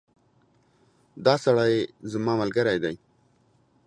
دا سړی زما ملګری دی